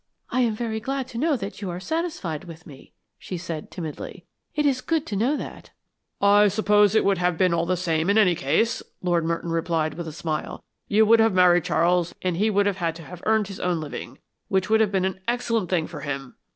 "I am very glad to know that you are satisfied with me," she said, timidly: "It is good to know that." "I suppose it would have been all the same in any case," Lord Merton replied with a smile. "You would have married Charles and he would have had to have earned his own living, which would have been an excellent thing for him."